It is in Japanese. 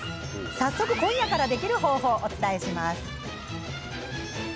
早速、今夜からできる方法をお伝えします。